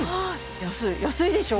安い安いでしょ？